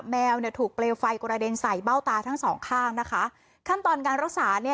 ไม่รู้ใครไปทั้งนี้